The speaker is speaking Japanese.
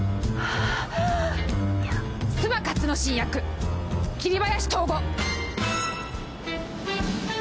須磨勝之進役桐林藤吾！